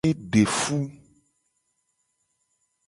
E de fu.